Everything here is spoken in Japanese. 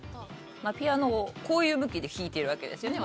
ピアノをこういう向きで弾いてるわけですよね